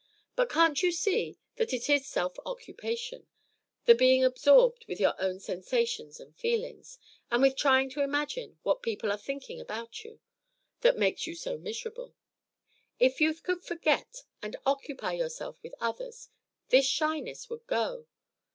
But can't you see that it is self occupation, the being absorbed with your own sensations and feelings, and with trying to imagine what people are thinking about you, that makes you so miserable? If you could forget and occupy yourself with others, this shyness would go.